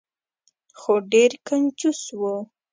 خو ډیر کنجوس و.